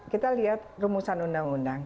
kita lihat rumusan undang undang